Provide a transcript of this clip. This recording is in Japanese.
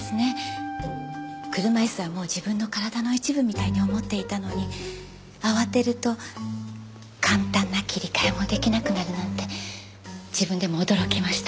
車椅子はもう自分の体の一部みたいに思っていたのに慌てると簡単な切り替えも出来なくなるなんて自分でも驚きました。